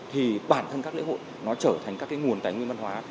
thì bản thân các lễ hội nó trở thành các cái nguồn tài nguyên văn hóa